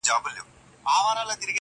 او که يې اخلې نو آدم اوحوا ولي دوه وه.